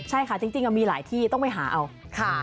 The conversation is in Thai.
ใช่ค่ะจริงมีหลายที่ต้องไปหาเอาค่ะ